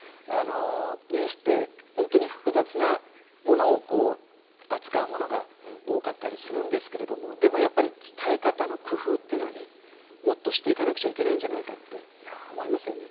ニュースって本当に複雑なものを扱うものが多かったりするんですけれどもでもやっぱり伝え方の工夫っていうのはねもっとしていかなくちゃいけないんじゃないかって思いますよね。